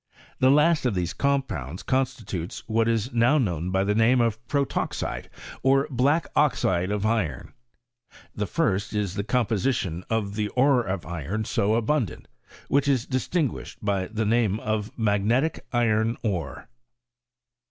The last of these compounds constitutes what is now known by the name of protoxide, or black oxide of iron. ITie first is the composition of the ore of iron so abundant, which is distinguished by the name of magnelic iron otp..